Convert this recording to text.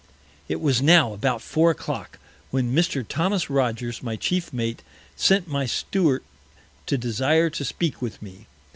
It was now about Four o' Clock, when Mr. Thomas Rogers, my Chief Mate, sent my Steward to desire to speak with me.